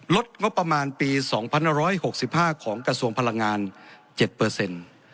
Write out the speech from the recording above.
ลดงบประมาณปี๒๑๖๕ของกระทรวงพลังงาน๗